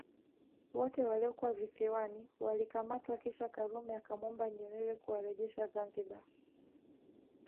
Wote waliokuwa Visiwani walikamatwa kisha Karume akamwomba Nyerere kuwarejesha Zanzibar